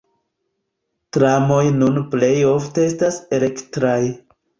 Tramoj nun plej ofte estas elektraj.